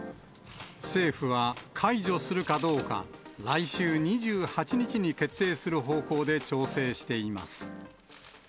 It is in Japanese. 政府は、解除するかどうか、来週２８日に決定する方向で調整しています。